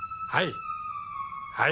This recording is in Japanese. はい。